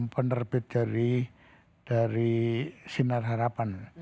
penerbit dari sinar harapan